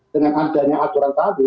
dengan adanya aturan tadi